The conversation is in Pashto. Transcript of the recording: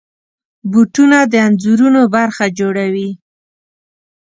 بوټونه د انځورونو برخه جوړوي.